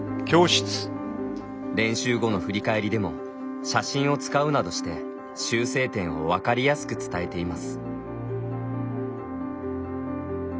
練習後の振り返りでも写真を使うなどして修正点を分かりやすく伝えています。